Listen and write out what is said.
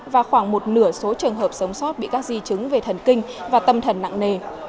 và khoảng một nửa số trường hợp sống sót bị các di chứng về thần kinh và tâm thần nặng nề